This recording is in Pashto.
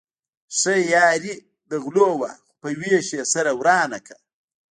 ښه یاري د غلو وه خو په وېش يې سره ورانه کړه.